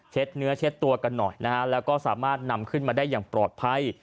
เนื้อเช็ดตัวกันหน่อยนะฮะแล้วก็สามารถนำขึ้นมาได้อย่างปลอดภัย